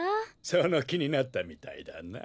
そのきになったみたいだな。